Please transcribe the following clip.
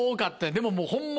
でももうホンマ